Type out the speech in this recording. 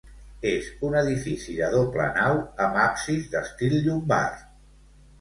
És un edifici de doble nau amb absis d'estil llombard.